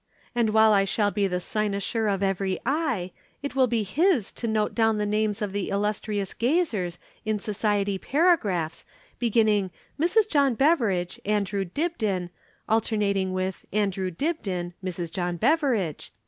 And while I shall be the cynosure of every eye, it will be his to note down the names of the illustrious gazers in society paragraphs beginning Mrs. John Beveridge (Andrew Dibdin), alternating with Andrew Dibdin (Mrs. John Beveridge).